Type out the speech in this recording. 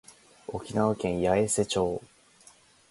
沖縄県八重瀬町